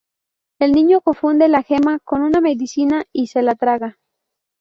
El niño confunde la gema con una medicina y se la traga.